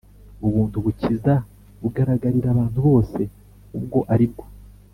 Ubuntu bukiza bugaragarira abantu bose ubwo ari bwo